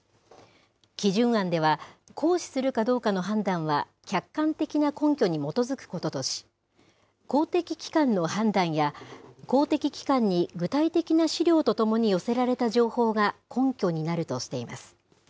基準案では、行使するかどうかの判断は客観的な根拠に基づくこととし、公的機関の判断や、公的機関に具体的な資料とともに寄せられた情報が根拠になるとしています。